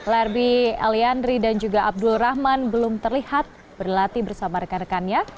larbi eliandri dan juga abdul rahman belum terlihat berlatih bersama rekan rekannya